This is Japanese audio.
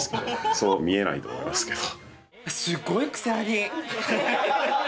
そう見えないと思いますけど。